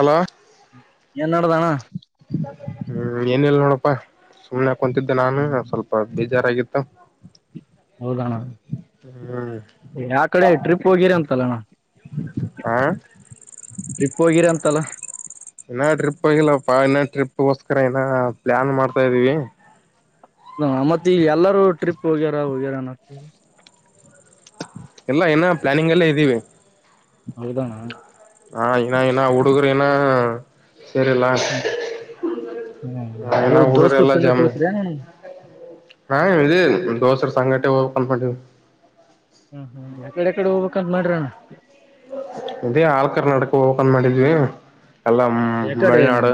ಅಲ ಏನ್ ನಡ್ದಣ ಹ್ಮ ಏನಲ್ಲ ನೋಡ ಪ್ಪಾ ಸುಮನೆ ಕುಂತಿದ್ದೆ ನಾನು ಸ್ವಲ್ಪ ಬೇಜಾರಾಗಿತ್ತು ಹೌದಣ್ಣ ಹ್ಮ್ ಯಾ ಕಡೆ ಟ್ರಿಪ್ ಹೋಗಿರಿ ಅಂತಲ್ಲ ಅಣ್ಣ ಆ ಟ್ರಿಪ್ ಹೋಗಿರಂತಲ್ಲ ಇನ್ನ ಟ್ರಿಪ್ ಆಗಿಲ್ಲಪ್ಪಾ ಇನ್ನ ಟ್ರಿಪ್ಗೋಸ್ಕರ ಇನ್ನ ಪ್ಲಾನ್ ಮಾಡ್ತಾ ಇದ ಇದೀವಿ ಹ ಮತ್ತೆ ಈಗ ಎಲ್ಲರೂ ಟ್ರಿಪ್ ಹೋಗ್ಯಾರ ಹೋಗ್ಯಾರ ಎಲ್ಲ ಏನ ಪ್ಲಾನಿಂಗ್ ಎಲ್ಲ ಇದ್ದೀವಿ ಅವ್ರದಾನ [unintelligible] ಹಾ ಇನ್ನ ಏನ್ನ ಉಡುಗ್ರೇನ ಸರಿಲ್ಲ ಹಾಾವ್ ದೋಸ್ತ ಸಂಗಟಟ್ ಜಮ್ ಹೋ್ತೀರಾ ನ ಹಾ ಇ ದೋಸರ ಸಂಗಟೆ ಂದ ಮಾಡವಿ ಹ್ಮ್ ಹ್ಮ್ ಯಕಡೆ ಎಕಡೆ ಹೋಗ್ಬೇಕಂತ ಮಾಡ್ರಣ ಅೇ ಆಳ್ ಕರ್ನಾಡಕ ಹೋಗಕನ್ ಮಾಡಿದ್ವಿ ಎಲ್ಲ ಯಕಡೆನ ಮಿಳನಾಡು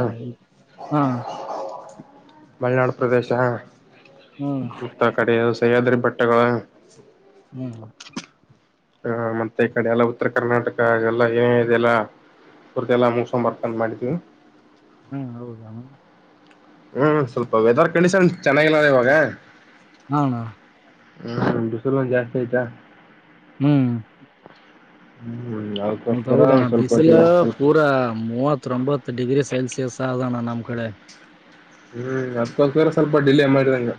ಹಾ ಮಲೆನಾಡು ಪ್ರದೇಶ ಹ್ಮ್ ಮತ್ತ ಕಡೆ ಸಹ್ಯಾದ್ರಿ ಬಟ್ಟೆಗಳು ಹ್ಮ್ ಹ ಮತ್ತೆ ಈ ಕಡೆ ಎಲ್ಲ ಉತ್ತರ ಕರ್ನಾಟಕ ಎಲ್ಲ ಏನೇ ಇದೆಲ್ಲ ಹೊರ್ದಲ್ಲ ಮೂಸ ವರ್ಕನ್ ಮಾಡಿದೀವಿ ಹ್ಮ್ ಅವ ತಾನ [unintelligible] ಹ್ಮ್ ಸ್ವಲ್ಪ ವೆದರ್ ಕಂಡೀಷನ್ ಚೆನ್ನಾಗಿಲ್ಲ ಇವಾಗ ಹ ಹ ಹ್ಮ [unintelligible] ದಿವಸಲ್ ಒಂದ್ ಜಾಸ್ತಿ ಆಯ್ತಾ ಹ್ಮ್ ಹ್ಮ್ ಹದ ಅದಕ್ಕೋಸ್ಕರ ಹೌದಣ್ಣ ಸ್ವಲ್ಪ ಬಿಸಿಲ ಸ್ವಲ್ಪ ಪೂರಾ ಮೂವತ್ತೊಂಬತ್ ಡಿಗ್ರಿ ಸೆಲ್ಸಿಯಸ್ ಅದಾನ್ಣ ನಮ್ಮ್ ಕಡೆ ಹ್ಮ್ ಅತ್ತ್ ಬೇರ ಸ್ವಲ್ಪ ಡಿಲೇ ಮಾಡಿದಂಗ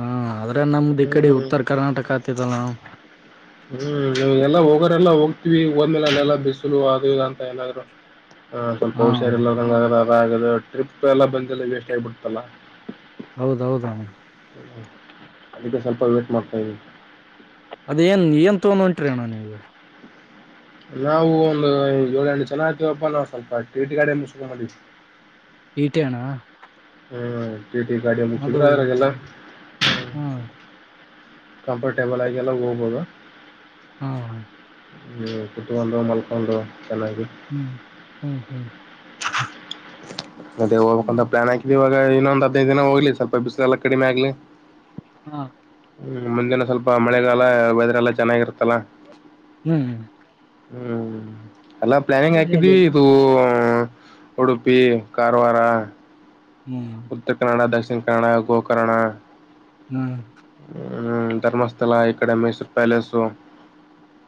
ಹಾ ಆದ್ರೆ ನಮ್ದ್ ಈ ಕಡೆ ಹ್ಮ್ ಉತ್ತರ ಕರ್ನಾಟಕ ಆತಿದಲ್ಲ ನಾ [unintelligible] ಹ್ಮ್ ಎಲ್ಲಾ ಹೋಗರೆಲ್ಲಾ ಹೋಗ್ತಿವಿ ಹೋದ್ಮೇಲೆ ಅಲ್ಲೆಲ್ಲಾ ಬಿಸಲು ಅದು ಇ ಅಂತ ಏನಾದ್ರು ಹ ಸ್ವಲ್ಪ ಹಾ ಹುಷಾರಿ ಎಲ್ಲಂಗ ಅದ ಟ್ರಿಪ್ ಎಲ್ಲ ಬಂದಲ್ಲ ವೇಸ್ಟ್ ಆಗಿಬಿಡಲ್ಲ ಹೌದೌದ [unintelligible] ಅದಕ್ಕೆ ಸ್ವಲ್ಪ ವೇಟ್ ಮಾಡ್ತಾ ಇದವಿ ಅದ ಏನ್ ಏನ್ ತೊೊಂಡ ಹೊಂಟ್ರಿ ಅಣ್ಣ ನೀಗ ನಾವು ಒಂದು ಏಳ ಎಂಟು ಜನ ಆಯ್ತವಪ್ಪಾ ನಾ ಸ್ವಲ್ಪ ಟೀಟಿ ಗಾಡೆ ಮುಸಕ ಮಾಡಿದವಿ ಟಿ ಟಿ ಅಣ್ಣ ಹ್ಮ ಟಿಟಿ ಗಾಡಿಯ ಅದು ಮುಚ್ಚಿದ್ರಗೆಲ್ಲ ಹ್ಮ ಹಾ ಕಂಫರ್ಟೇಬಲ್ ಆಗಿ ಎಲ್ಲ ಹೋಗ್ಬೋದು ಹಾ ಅಣ್ಣ ಹ್ಮ್ ಕುತ್ಕೊಂಡ್ರು ಮಲ್ಕೊಂಡ್ರು ಚೆನ್ನಾಗಿ ಹ್ಮ್ ಹ್ಮ್ ಹ್ಮ್ ಮತ್ತೆ ಹೋಗ್ಬೇಕ ಅಂತ ಪ್ಲಾನ್ ಹಾಕಿದಿವ್ ಇವಾಗ ಇನ್ನೊಂದ ಹದ್ನೈದಿನ ಹೋಗ್ಲಿ ಸ್ವಲ್ಪ ಬಿಸ್ಲೆಲ್ಲ ಕಡಿಮೆ ಆಗ್ಲಿ ಹಾ ಹ್ಮ್ ಮುಂದಿನ ಸ್ವಲ್ಪ ಮಳೆಗಾಲ ವೆದರ್ ಎಲ್ಲ ಚೆನ್ನಾಗಿರುತ್ತಲ್ಲ ಹು ಹ್ಮ್ ಹ್ಮ್ ಹ್ಮ್ ಅಲ್ಲ ಪ್ಲಾನಿಂಗ್ ಹಾಕಿದ್ದೀವಿ ಇದು ಉಡುಪಿ ಕಾರ್ವಾರ ಹ್ಮ್ ಉತ್ತರ್ ಕನ್ನಡ ದಕ್ಷಿಣ್ ಕನ್ನಡ ಗೋಕರ್ಣ ಹ್ಮ್ ಹ್ಮ್ ಧರ್ಮಸ್ಥಳ ಇಕಡೆ ಮೈಸೂರ್ ಪ್ಯಾಲೇಸ್ಸು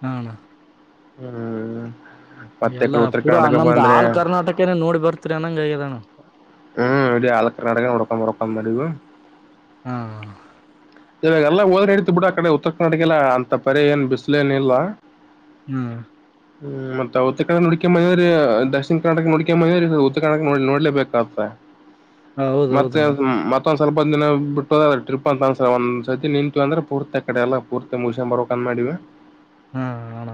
ಆ ಅಣ ಹ್ಮ್ ಮತ್ತೆ ಈ ಎಲ್ಲ ಕಡೆ ಉತ್ತರ ಪೂರಾ ಕರ್ನಾಟಕ ನಮ್ದ್ ಬಂದ್ರೆ ಆಲ್ ಕರ್ನಾಟಕನೇ ನೋಡಿ ಬರ್ತಿರಿ ಅನ್ನಂಗ ಆಗ್ಯದಾಣ ಹ್ಮ್ ಇಡಿ ಆಲ್ಕರ್ನಾಟಕ ನೋಡ್ಕೊಂಡ್ ಬರಬೇಕು ಅಂದ್ ಮಾಡೀವಿ ಹಾ ಇವಾಗ ಎಲ್ಲಾ ಹೋದ್ರೆ ನಡತದ್ ಬಿಡು ಆ ಕಡೆ ಉತ್ತರ್ ಕರ್ನಾಟಕೆಲ್ಲ ಅಂತ ಪರಿ ಏನ್ ಬಿಸ್ಲೇನಿಲ್ಲ ಹ್ಮ್ ಹ್ಮ್ ಮತ್ತ ಉತ್ತರ್ ಕನ್ನಡ ನೋಡಿಕ್ಯಂಬದ್ಯು ರೀ ದಕ್ಷಿಣ ಕರ್ನಾಟಕ ನೋಡ್ಕ್ಯಾಂಬದ್ರೀವ್ರೀ ಉತ್ತರ ಕರ್ನಾಟಕ ನ ನೋಡ್ಲೇಬೇಕಾಪ್ಪ ಮತ್ತೆ ಹೌದೌದಣ ಮತ್ತೊಂದ್ ಸ್ವಲ್ಪೊಂದ ದಿನ ಬಿಟ್ಟೊದ ಟ್ರಿಪ್ ಅಂತ ಒಂದ್ಸರ್ತಿ ನಿಂತು ಅಂದ್ರೆ ಪೂರ್ತಿ ಆಕಡೆ ಎಲ್ಲ ಪೂರ್ತಿ ಮುಗಶ್ಕ್ಯಾಂಬರ್ಬೇಕ್ ಅಂದ್ ಮಾಡಿವಿ ಹಾ ಅಣ್ಣ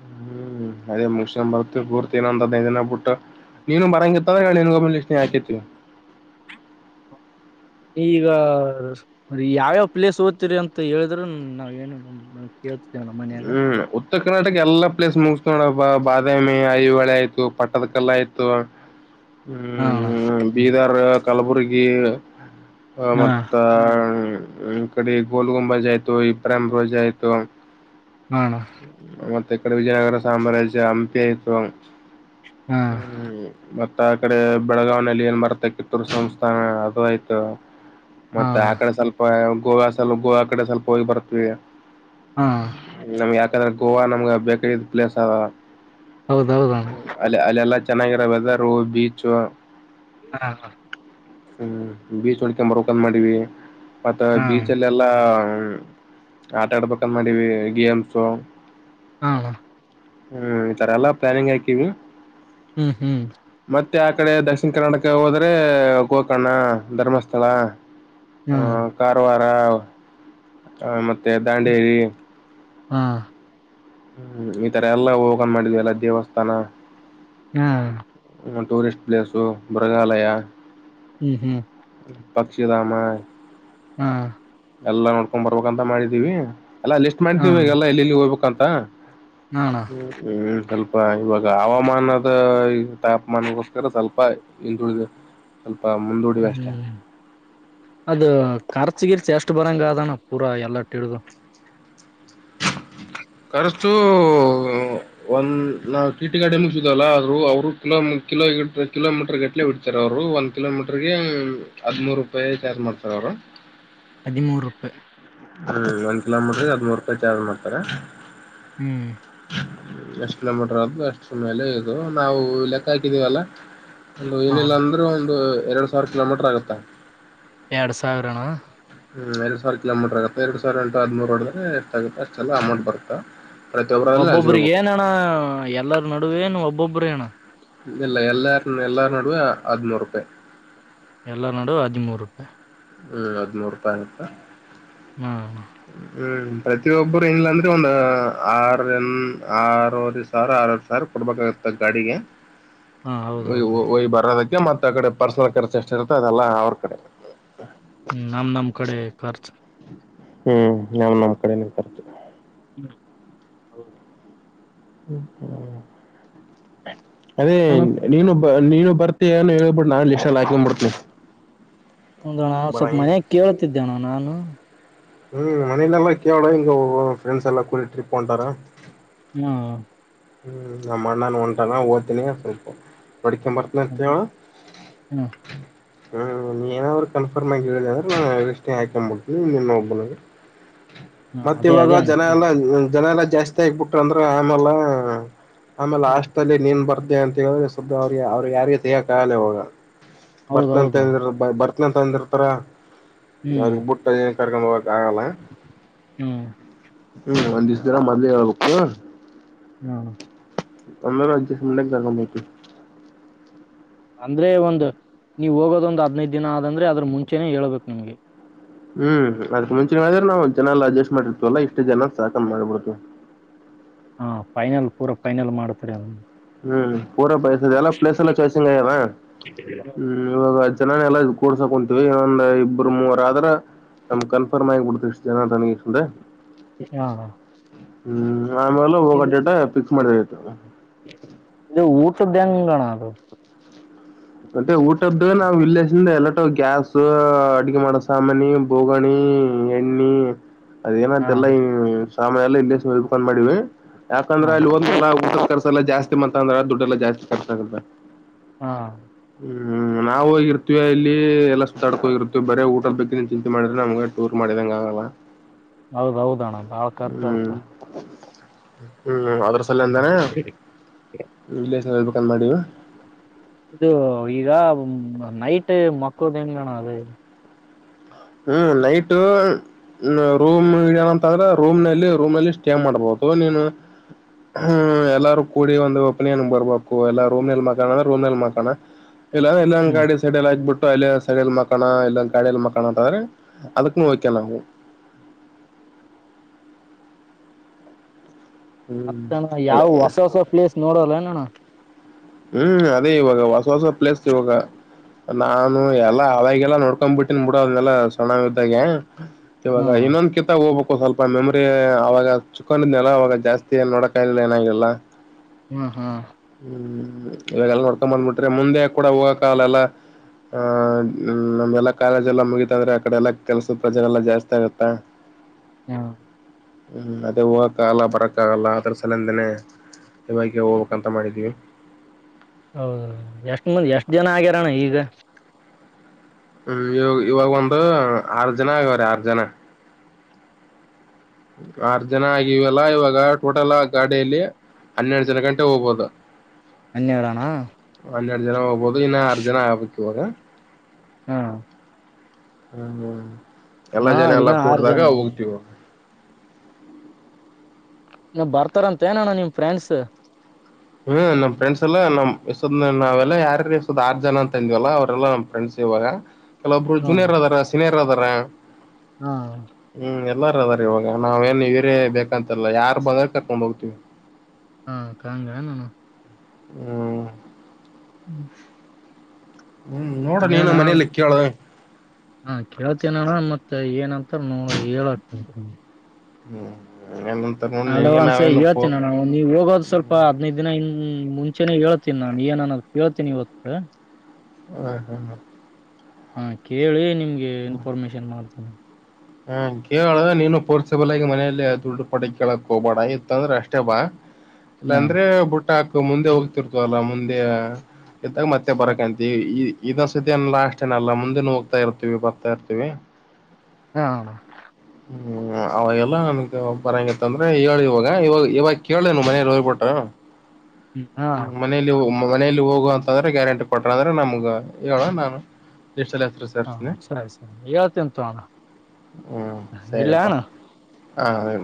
ಹ್ಮ್ ಅದೇ ಮುಗಿಶ್ಯ್ಯಾಂಬರ್ತ್ವಿ ಪೂರ್ತಿ ಇನ್ನೊಂದ್ ಹದ್ನೈದಿನ ಬುಟ್ಟು ನೀನು ಬರಂಗಿತ್ತಂದ್ರ ಹೇಳ್ ನಿನ್ಗೊಬ್ನಿಗ್ ಲಿಸ್ಟಿಗ್ ಹಾಕಿರ್ತಿನಿ [inaudible] [unintelligible] ಈಗ ಯಾವ್ಯಾವ ಪ್ಲೇಸ್ ಓದ್ತೀರಿ ಅಂತ ಹೇಳಿದ್ರ ನಾವ್ ಏನು ನ ಕೇಳ್ತೀವಿ ತ್ಯಾವ್ನ ಮನ್ಯಾಗ ಹ್ಮ್. ಉತ್ತರ ಕರ್ನಾಟಕ ಎಲ್ಲಾ ಪ್ಲೇಸ್ ಮುಗ್ಸ್ ನೋಡವ್ ಬಾ ಬಾದಾಮಿ ಐಹಳೆ ಆಯ್ತು ಪಟ್ಟದ ಕಲ್ಲ ಆಯ್ತು ಹ್ಮ್ ಹಾ ಮ್ಮ್ಮ್ ಬೀದರ್ ಕಲ್ಬುರ್ಗಿ ಆ ಮ ನೇ [inaudible] ್ಮ್ ಈ ಕಡೆ ಗೋಲ್ಗುಂಬಜ್ ಆಯ್ತು ಇಬ್ರಾಮ್ ರೋಜಾ ಆಯ್ತು ಅಣ್ಣ ಹಾ ಹಾ ಅಣ್ಣ ಮತ್ತೆ ಇ ಕಡೆ ವಿಜಯನಗರ ಸಾಮ್ರಾಜ್ಯ ಹಂಪಿ ಆಯ್ತು ಹಾ ಹ್ಮ್ ಮತ್ ತ್ತಾ ಆಕಡೆ ಬೆಳಗಾವ್ನಲ್ಲಿ ಏನ್ ಬರ್ತ ಕಿತ್ತೂರು ಸಂಸ್ಥಾನ ಅದು ಆಯ್ತು ಹಾ ಮತ್ತೆ ಅಣ್ಣ ಆಕಡೆ ಸ್ವಲ್ಪ ಗೋವಾ ಸ್ವಲ್ಪ ಗೋವಾ ಕಡೆ ಸ್ವಲ್ಪ ಹೋಗಿ ಬರ್ತವಿ ಹಾ ನಮ್ಗೆ ಯಾಕಂದ್ರೆ ಗೋವಾ ನಮ್ಗೆ ಬೇಕಾಗಿದ್ ಪ್ಲೇಸ್ ಅದಾ ಹೌದೌದಣ ಅಲ್ ಅಲ್ಲೆಲ್ಲಾ ಚೆನ್ನಾಗಿರೋ ವೆದರ್ ರೂ ಬೀಚು ಹಾ ಹ್ಮ್ ಬೀಚ್ ನೋಡ್ಕ್ಯಂಬರ್ಬೇಕು ಅಂದ್ ಮಾಡವಿ ಮತ್ತ ಹಾ ಬೀಚಲ್ಲೆಲ್ಲಾ ಹ್ಮ್ ಆಟ ಆಡ್ಬೇಕಂದ್ ಮಾಡವಿ ಗೇಮ್ಸು ಆ ಹ ಹ್ಮ್ ಈ ತರ ಎಲ್ಲಾ ಪ್ಲಾನಿಂಗ್ ಹಾಕೀವಿ ಹ್ಮ್ ಹ್ಮ್ ಮತ್ತೆ ಆ ಕಡೆ ದಕ್ಷಿಣ ಕರ್ನಾಟಕ ಹೋದ್ರೆ ಗೋಕರ್ಣ ಧರ್ಮಸ್ಥಳ ಹಾ ಆ ಕಾರವಾರ ಆ ಮತ್ತೆ ದಾಂಡೇಲಿ ಹಾ ಹ್ಮ್ ಈ ತರ ಎಲ್ಲಾ ಹೋಗನ್ ಮಾಡಿದ್ವಿ ಎಲ್ಲ ದೇವಸ್ಥಾನ ಹಾ ಟೂರಿಸ್ಟ್ ಪ್ಲೇಸು ಮೃಗಾಲಯ ಹ್ಮ್ ಹ್ಮ್ ಪಕ್ಷಿಧಾಮ ಹಾ ಎಲ್ಲ ನೋಡ್ಕೊಂಡ್ ಬರ್ಬೇಕಂತ ಮಾಡಿದೀವಿ ಎಲ್ಲಾ ಲಿಸ್ಟ್ ಹಾ ಮಾಡಿದೀವಿ ಈಗ ಎಲ್ಲ ಎಲ್ಲಿಲ್ಲಿ ಹೋಗ್ಬೇಕ ಅಂತ ಹಣ ಹ್ಮ ಹ್ಮ್ ಸ್ವಲ್ಪ ಇವಾಗ ಹವಾಮಾನದ ತಾಪಮಾನಗೋಸ್ಕರ ಸ್ವಲ್ಪ ಹಿಂದುಳಿದೆ ಹ್ಮ ಹ್ಮ್ ಅದು ಕರ್ಚುಗಿಲ್ಚಷ್ಟ ಇಷ್ಟ ಬರಂಗ ಅದಾನ ಪೂರಾ ಎಲ್ಲಟ್ಟಿ ಹಡಿದು ಖರ್ಚು ಒಂದ್ ನಾವು ಟಿಟಿ ಗಾರ್ಡನ್ೂ ಅಲ್ಲ ಆದ್ರರು ಅವರು ಕಿ ಕಿಲೋ ಕಿಲೋಮೀಟರ್ ಗಟ್ಲೆ ಇಡ್ತಾರೆ ರು ಒಂದ್ ಕಿಲೋಮೀಟರ್ಗೆ ಹದಿಮೂರು ರೂಪಾಯಿ ಚಾರ್ಜ್ ಮಾಡ್ತಾರ ಅವರು ಹದಿಮೂರು ರೂಪಾಯಿ ಹ್ಮ್ ಒಂದ್ ಕಿಲೋಮೀಟರ್ ಹದಿಮೂರು ರೂಪಾಯಿ ಚಾರ್ಜ್ ಮಾಡ್ತಾರ ಹ್ಮ್ ಎಷ್ಟ್ ಕಿಲೋಮೀಟರ್ ಆದು ಅಷ್ಟು ಸುಮಲೆ ಇದು ನಾವು ಲೆಕ್ಕ ಹಾಕಿದೀವಲ್ಲ ಅ ಏನಿಲ್ಲಾ ಹ ಅಂದ್ರೂ ಒಂದು ಎರಡ್ ಸಾವಿರ ಕಿಲೋಮೀಟ್ರ ಆಗತ್ತಾ ಎರಡು ಸಾವಿರನಾ. ಹಂ ಎರಡು ಸಿರ ಕಿಲೋಮೀಟರ್ ಆತ್ತೆ ಎರಡುಾವಿರಂಟ ಹದಿೂರುರೋಡ್ರ ಎಷ್ಟಾಗಗುತ್ತ ಅಷ್ಟೆ ಅಮೌಟ್ ಬತ್ತಾ. ಒಬ್ಬೊಬ್ಬ್ರ ಏನಣ ಎಲ್ಲರ ನಡುವೇ ನು ಒಬ್ಬೊಬ್ಬ್ರ ಅಣ್ಣ. ಇ ಇಲ್ಲ ಎಲ್ಲಾರ ಎಲ್ಲಾರ ನಡುವೆ ಹದನೂರು ರೂಪಾಯಿ ಎಲ್ಲ ನಡುುವ ಹದಿಮೂರು ರೂಪಾಯಿ ಹ್ಮ್ ಹದಿಮೂರು ರೂಪಾಯಿ ಆತ್ತ ಹಾ ಹ್ಮ್ ಪ್ರತಿಯೊಬ್ಬರು ಂಗಿಲ್ಲ ಅಂದ್ರೆ ಒಂದು ಆರು ಎನ್ ಆರೂವರೆ ಸಾವಿರ ಆರವರೆ ಸಾವಿರ ಕೊಡ್ಬೇಕಾಗುತ್ತೆ ಗಾಡಿಗೆ ಹಾ ಹೌದೌದು ಒಯ್ ಬರೋದಕ್ಕೆ ಮತ್ತ ಕಡೆ ಪರ್ಸನಲ್ ಕೆರ್ಸ್ ಎಷ್ಟ ಇರುತ್ತೆ ಅದೆಲ್ಲ ಅವ್ರ ಕಡೆ ಹ್ ನಮ್ ನಮ್ ಕಡೆ ಖರ್ಚ ಹ್ಮ್ ನಾನು ನಮ್ಮ್ ಕಡೆನ ತರ್ತು ಹೌ [inaudible] ಹ್ಮ್ ಹ್ಮ ಅದೇ ಮತ್ತಣ? ನೀನು ನೀನು ಬರ್ತ ಅಾನ ಹ ಹೇಳಬಿಟ್ಟು ನಾನು ಎಷ್ಟ ಎಲ್ಲ ಹಾಕೊಂಡ್ಬಿಡ್ತೀನಿ ಆಂಧ್ರಣ ಸ್ವಲ್ಪ ಬರಂಗಿಲ್ಲ ಮನಯಾಗ ಕೇಳ್ತಿದ್ದೆಣ ನಾನು. ಹ್ಮ್ ಮನೆಯಲೆೆಲ್ಲಾ ಕೇವಳ ಇಂಗ ಒ ಫ್ರೆಂಡ್ಸ್ ಎಲ್ಲ ಕೂಲಿ ಟ್ರಿಪ್ ಹೋಂಡರ. ಹಾ ಹ್ಮ್ ನಮ್ಮ ಅಣ್ಣಾನ ಹೊಂಟಾನ [unintelligible] ಸ್ವಲ್ಪ. ಪಡಿಕನ್. ಅದೇ. [unintelligible] ಹಾ ಹ್ಮ್ ನೀ ಏನಾದ್ರು ಕನ್ಫರ್ಮ ಆಗಿ ಹೇಳಿಲ್ಲ ಅಂದ್ರೆ ಎಷ್ಟನೆ ಹ ಆಕೊಂಡ್ಬಿಡ್ತನಿ ನೀನ್ನ ಒಬನಗೆ [inaudible] ಹಾ. ಮತ್ತ ಅದೇ ಇವಾಗ ಅದೇ ಜನ ಅ ಎಲ್ಲಾ ಜನ ಎಲ್ಲಾ ಜಾಸ್ತಿ ಆಕ್ಬಿಟ್ರ ಅಂದ್ರ ಆಮೇಲ್ಲ. ಆಮೇಲೆ ಆಾಸ್ ಅಲ್ಲಿ ನೀನ್ ಬರದೇ ಅಂತ ಹೇಳಿ ಸುದ್ದ ಅವ್ರಿಗೆ ಅವ್ರಿಗೆ ಯಾರಿಗೆ ತೇಕಗಲ್ಲೇ ಹೋಗ. ಹೌದೌದು ಬರ್ತನಂತಂದಿ ಬರ್ತನ ತಂದಿರ್ತರ ಹ್ಮ್ ಅವ್ರಿಗೆ ಬುಟ್ಟ ಏನ್ ಕರ್ಕೊಂಡ್ ಕ್ರಮವ. ಆಗಲ್ಲ ಹ್ಮ್ ಹ್ಮ್ ಒಂದ್ ದಿವಸ್ದರ ಮೊದ್ಲೇ ಹೇಳ್ಬೇಕು. ಹ್ಮ ಅಂದರ [unintelligible] ಅಂದ್ರೆ ಒಂದು ನೀವು ಹೋಗೋದೊಂದು ಹದ್ನೈದು ದಿನ ಆದಂದ್ರೆ ಅದ್ರ ಮುಂಚೆನೇ ಹೇಳ್ಬೇಕು ನಿಮ್ಗೆ. ಹ್ಮ್ ಅದಕ್ ಮುಂಚೆ ಹೇಳಿದ್ರೆ ನಾವು ಜನ ಅಡ್ಜಸ್ಟ್ ಮಾಡಿರ್ತವಲ್ಲಾ ಇಷ್ಟು ಜನ ಸಾಕು ಮಾಡ್ಬಿಡ್ತವಿ. ಹಾ ಫೈನಲ್ ಪೂರಾ ಫೈನಲ್ ಮಾಡ್ತರಿ. ಹ್ಮ್ ಪೂರ ಬಯಸದೆ ಎಲ್ಲ ಪ್ಲೇಸ್ ಎಲ್ಲ ಚಾಯ್ಸಿಂಗ್ ಆಯ್ಯದ್ಮ್ ಇವಾಗ ಜನಲ್ಲ ಕೂಡ್ಸೋ ಕುಂ. ಇೊಂದ್ ಇಬ್ಬರು ಮೂವರ ಆದ್ರ ನಮ್ಗೆ ಕನ್ಫರ್ಮ್ ಆಗಿಬ ಬಿಡ್ತ ಇಷ್ಟ ಜನ ನನಗೆ. ಹಾ ಹ್ಮ್ ಆಮೇಲೆ ಹೋಗ ಇದು ಡೇಟ ಫಿಕ್ಸ್ ಮಾಡಿದತ. ಇದು ಊಟದಂಗಣ. ಮತ್ತೆ ಊಟದ್ದು ನಾವವು ವಿಲೇಜ್ಿಂದ ಎಲ್ಲಟು ಗ್ಯಾಸ್ ಅಡ್ಗೆ ಮಾಡೋ ಸಾಮಾನಿ ಬೋಗಣಿ. ಎಣ್ಣಿ ಹಾ ಅದೇನಂತೆಲ್ಲ ಈ ಸಾಮಯ ಎಲ್ಲ ಇಲ್ಲಕೊಂಡ್ ಮಾಡವಿ. ಯಾಕಂದ್ರ ಹಾ ಅಲ್ಲಿ ಒಂದ್ಸ ಊಟದ ಕರ್ಸ ಎಲ್ಲ ಜಾಸ್ತಿ ಮತ್ತ ಅಂದ್ರೆ ದುಡ್ಡೆಲ್ಲಾ ಜಾಸ್ತಿ ರ್ಚ ಆಗುತ್ತೆ. ಹಾ ಹ್ಮ್ ನಾವ ಇರ್ತೀವ ಇಲ್ಲಿ. ಎಲ್ಲ ಸುತ್ತತಾಕ ಹೋಗರುತ್ತ ಬರೆ ಊಟಲ್ ಬೇಕ ನೀನ್ ಚಿಂತೆ ಮಾಡಿದ್ರೆ ನಮಗೆ ೂರ್ ಮಾಡಂಗಆಲ್ಲ. ಹೌದೌದಣ್ಣ ಬಾಳ ಹ್ಮ್ ಖರ್ಚತಾ ಹ್ಮ್ ಅದ್ರಸಲ ಇಂದಾನೆ ಹ [inaudible] ಇದು ಈಗ ನೈಟ್ ಮಕ್ಕೋ ದೆಂಗನ ಅಲಿ. ಹ್ಮ್ ನೈಟ್. ಹ್ಮ ರೂಮ್ ಏನಂತ ಅಂದ್ರೆ ರೂಮ್ ನಲ್ಲಿ ರೂಮ್ ನಲ್ಲಿ ಸ್ಟೇ ಮಾಡ್ಬೋದು ನೀನು. ಹ್ಮ್ ಎಲ್ಲಾರು ಕೂಡಿ ಒಂದು ಓಪನಿನ್ ಬರ್ಬೇಕು ಎಲ್ಲಾ ರೂಮ್ ನಲ್ ಮಕಾಣ ಅಂದ್ರೆ ರೂಮ್ ನಲ್ ಮಕಾಣ. ಇಲ್ಲ ಎಲ್ಲಂಗ ಹ್ಮ್ ಗಾಡಿ ಸಡಲ್ ಆಾಕ್ಬ ಬಿಟ್ಟು ಅಲ್ಲಿಲ್ಲ ಸಡಲ್ ಮಕಣ ಇಲ್ಲಂಗ ಗಾಡಲ್ಲಿ ಮಕ್ಕ. [inaudible] ಅಂತಾದ್ರೆಅದಕ್ಕ ವಕಣ ಆಗೂ. ಹ್ಮ್ ಅತ್ತಣ ಯಾವ್ ಅಲ್ಲ ಹೊಸ ಹೊಸ ಪ್ಲೇಸ್ ನೋಡಲ್ಲಣೋಣ್ಣ. ಹ್ಮ್ ಅದೇ ಇವಾಗ ಹೊಸ ಹೊಸ ಪ್ಲೇಸ್ ಇವಾಗ. ನಾನು ಎಲ್ಲಾ ಅವಾಗಲ್ಲ ನೋಡ್ಕೊಂಡ್ ಬಿಿಟ್ಟನ್ಿ ಬಿಡ ಅದ್ನೆಲ್ಲ ಸಣಂಗ ಇದ್ದಾಗ. ಹಾ ಇವಾಗ ಇನ್ನೊಂದ ಕಿತ್ತ ಹೋಗಬ ಸ್ವಲ್ಪ ಮೆಮರಿ ಅವವಾಗ ಚುಕ್ಕೊಂಡಿದ್ನಲ್ಲ ಅವವಾಗ ಜಾಸ್ತಿ ನೋಡಕ್ಿಲ್ಲ ಏನಾಗ್ಲಿಲ್ಲ. ಹ್ಮ್ ಹಾ ಇವಾಗೆಲ್ಲ ನೋಡ್ಕೊಂಡ ಬಂದ್ಬಿಟ್ರಿ ಮುಂದೆ ಕೂಡ ಹೋಗೋಕ್ಕ ಅಲ್ಲೆಲ್ಲ. ಹ ನಮ್ಗೆಲ್ಲಾ ಕಾಲೇಜ್ ಎಲ್ಲ ಮುಗಿತಂದ್ರೆ ಆ ಕಡೆ ಎಲ್ಲ ಕೆಲ್ಸ ಪ್ರಜರೆಲ್ಲಾ ಜಾಸ್ತಿ ಆಗತ್ತಾ. ಹಾ ಹ್ಮ್ ಅದೇ ಹೋಗಕ್ಕಾಗಲ್ಲ ಬರಕ್ಕ ಆಗಲ್ಲ ಅದ್ರ ಸಲಿಂದಾನೇ. [inaudible] ಬಕ ಹೋಗ್ಬೇಕಕ್ಂತ ಮಾಡಿದೀವಿ. ಹೌದ ಎಷ್ಟ ಮಂದ ಎಷ್ಟ್ ಜನ ಆಗ್ಯಾರಣ್ಣ ಈಗ. ಹ್ಮ್ ಇವ ಇವಾಗ ಒಂದು ಆರ್ ಜನ ಆಗವ್ರ ಆರ್ ಜನ. ಆರ್ ಜನ ಆಗಿವಲ್ಲಾ ಇವಾಗ ಟೋಟಲ್ ಗಾಡಿಲೀ. ಹನ್ನೆರಡು ಜನ ಗಂಟ ಹೋಗಬೋದು. ಹನ್ನೆರಡಣ ಹನ್ನೆರಡು ಜನ ಹೋಗ್ಬೋದು ಇನ್ನು ಆರ್ ಜನ ಆಗ್ಬೇಕವಾಗ. ಹಾ ಹ್ಮ್ ಹ್ಮ್ ಎಲ್ಲಾ ಹಾ ಜನ ಎಲ್ಲ ಇನ್ನ ಆರು ಕೂಡ್ದಾಗ ಜನ ಹೋಗ್ತಿೀವ. ನೀ ಬರ್ತಾರಂತ ನಣ್ಣ ನಿಮ್ ಫ್ರೆಂಡ್ಸ್ ಹ್ಮ್ ನಮ ಫ್ರೆಂಡ್ಸ್ ಎಲ್ಲಾ ನಮ್ಮ್ಸ್ ನಾವೆಲ್ಲ ಯಾರ ಎಸದ್ ಆರ್ ಜನ ಅಂತಂದ್ವಲ್ಲ ಅವ್ರರೆಲ್ಲಾ ನಮ್ಮ ಫ್ರೆಂಡ್ಸ್. ಇವಾಗ ಕೆಲವೊಬ್ರು ಜೂನಿಯರ್ ಅದಾರ ಸೀನಿಯರ್ ಅದಾರ ಹ್ಮ್ ಹ್ಮ್ ಎಲ್ಲಾರ ಅದಾರ ಇವಾಗ ನಾವೇಏನ್ ಇೀರೇ ಬೇಕಂತಲ್ಲ ಯಾರು ಬಂದ ಕರ್ಕೊಂಡ್ ಹೋಗ್ತೀವಿ. ಹಾ ಹಂಗ ಏನ ಹ್ಮ್ ಹ್ಮ್ ಹ್ಮ್ ನೋಡ ನೀನು ಮನೇಲಿ ಕೇಳ. ಹಾ ಕೇಳ್ತೀನಣ್ಣ ಮತ್ತೆ ಏನಂತ ಹೇಳಕ್ ಹ್ಮ್ ಏನಂತ ನೋಡ್ ನಿನಗೆ ಅಡ್ವಾನ್ಸ್ ನಾವೇನಪ್ಪೋ ಹೇಳ್ತೀನಿ ಅಣ್ಣ ನವು ನೀವು ಹೋಗೋದು್ ಸ್ವಲ್ಪ ಹದ್ೈದು ದಿನ ಇ ಹ್ಮ್ ಮುಂಚೆನೆೇ ಹೇಳ್ತೀನಿ ನಾನ್ ಏನನ್ನೋ ಕೇಳ್ತೀನಿ ಇವತ್ತು. ಹ ಹಾ ಹ ಹಾ ಕೇಳಿ ನಿಮ್ಗೆ ಇನ್ಫಾರ್ಮೇಶನ್ ಮಾಡ್ತೇಾನ. ಹ್ಮ ಕೇಳ್ರ ನೀನು ಪೋರ್ಸೆಬಲ್ಗ ಮನೆಯಲ್ಲಿ ದುಡ್ಡು ಪಟ್ಟ ಕೇಳಕ್ ಹೋಗಬೇಡ ಇತ್ ಅಂದ್ರೆ ಅಷ್ಟೇ ಬಾ. ಇಲ್ಲಾಂದ್ರೆ ಬುಟ್ಟ ಹಾಕ ಮುಂದೆ ಹೋಗ್ತಿರ್ತವಲ್ಲ ಮುಂದೆ. ಎ್ದಾಗ ಮತ್ತೆ ಬರಕಂತೀ ಈ ಇದ ಸ್ದನ್ ಲ ಅಷ್ಟೇನಲ್ಲ ಮುಂದೆ ನ ಹೋಗ್ತಾ ಇರ್ತೀವಿ ಬರ್ತಾ ಇರ್ತೀವಿ. ಹಾ ಅಣ್ಣ ಹ್ಮ್ ಅವಾಗೆಲ್ಲ ನನ್ಗೆ ಬರಂಗತ್ತ ಅಂದ್ರೆ ಹೇಳಿ ಇವಾಗ ಇವಾಗ ಇವಾಗ ಕೇಳೆನು ಮನೇಲಿ ಹೋಗ್ಬಿಟ್ಟ. ಹಾ ಹ್ಮ ಮನೇಲಿ ಮನಲಿ ಹೋಗುವ ಅಂತಂದ್ರೆ ಗ್ಯಾರಂಟಿ ಕೊಟ್ರ ಅಂದ್ರೆ ನಮ್ಗ ಹೇಳ ನಾನು. ಲಿಸ್ಟಲ್ಲಿ ಹೆಸರು ಹಾ ಸೇರಿಸ್ತೀನಿ ಸರಿ ಸರಿ ಹೇಳ್ತ್ತಂತು ಅಣ. ಹ್ಮ್ ಹ ಸರಿಯಪ್ಪ ಎಲ್ಲ ಹಾ ಹೇಳ